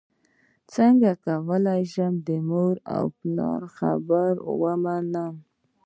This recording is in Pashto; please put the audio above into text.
څنګه کولی شم د مور او پلار خبره ومنم